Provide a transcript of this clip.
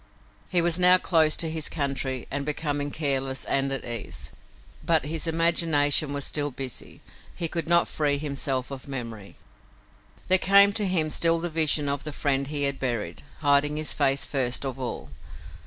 He was now close to his country and becoming careless and at ease. But his imagination was still busy; he could not free himself of memory. There came to him still the vision of the friend he had buried, hiding his face first of all.